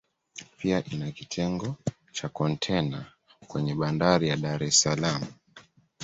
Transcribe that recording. pia ina kitengo cha kontena kwenye Bandari ya Dar es Salaam